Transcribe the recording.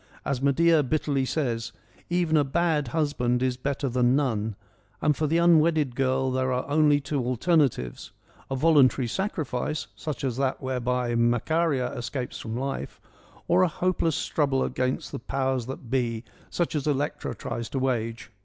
As Medea bitterly says ' Even a bad husband is better than none,' and for the unwedded girl there are only two alternatives, a voluntary sacrifice, such as that whereby Macaria escapes from life, or a hopeless struggle against the powers that be, such as Elect r a tries to wage.